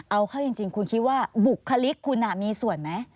เอาเข้าจริงคุณคิดว่าบุคลิกคุณมีส่วนไหม